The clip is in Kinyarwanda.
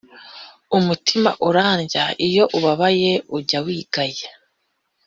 Umutima urarya iyo ubabaye ujye wigaya